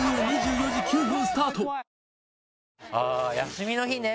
休みの日ね！